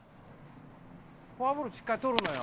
フォアボールしっかりとるのよ。